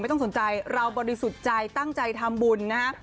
ต้องสนใจเราบริสุทธิ์ใจตั้งใจทำบุญนะฮะ